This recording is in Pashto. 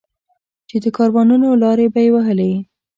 چې د کاروانونو لارې به یې وهلې.